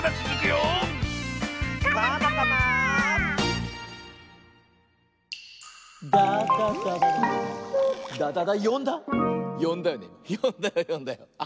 よんだよね？